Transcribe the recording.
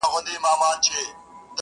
دادی وګوره صاحب د لوی نښان یم -